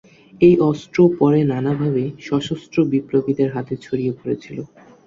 এই অস্ত্র পরে নানা ভাবে সশস্ত্র বিপ্লবীদের হাতে ছড়িয়ে পড়েছিল।